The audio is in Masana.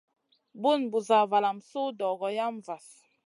Bun Busana valam su dogo yam vahl.